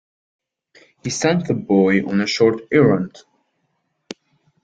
He sent the boy on a short errand.